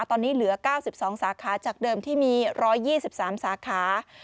ตอนนี้เหลือ๙๒สาขาจากเดิมที่มี๑๒๓สาขา